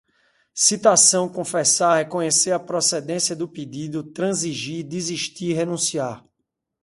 citação, confessar, reconhecer a procedência do pedido, transigir, desistir, renunciar